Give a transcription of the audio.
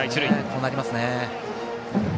こうなりますね。